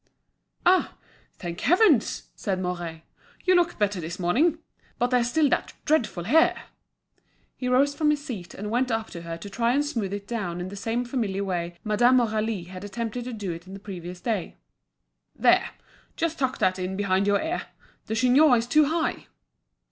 "Ah! thank heavens!" said Mouret, "you look better this morning. But there's still that dreadful hair!" He rose from his seat and went up to her to try and smooth it down in the same familiar way Madame Aurélie had attempted to do it the previous day. "There! just tuck that in behind your ear. The chignon is too high."